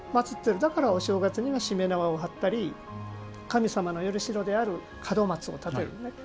だからお正月にはしめ縄を張ったり神様のよりしろである門松を立てる。